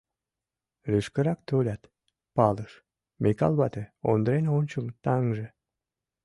Лишкырак толят, палыш: Микал вате, Ондрен ончыл таҥже.